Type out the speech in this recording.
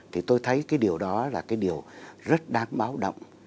thì tôi thấy cái điều đó là cái điều rất đáng báo động